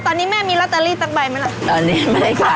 โฟนมารัยจากไม่